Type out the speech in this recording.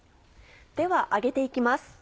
では揚げて行きます。